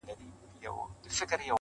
په تور لحد کي به نارې کړم٫